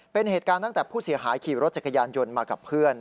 เป็นเหตุการณ์ตั้งแต่ผู้เสียหายขี่รถจักรยานยนต์มากับเพื่อน